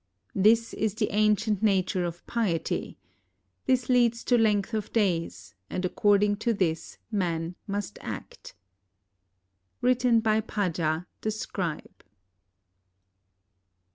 This is the ancient nature (of piety) — this leads to length of days, and according to this men must act. Written by Pada the scribe.